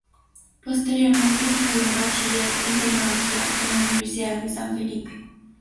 Posteriormente estudió un bachiller en teología en la Universidad de San Felipe.